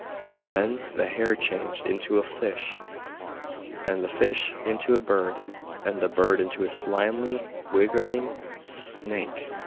Then the hare changed into a fish, and the fish into a bird, and the bird into a slimy wriggling snake.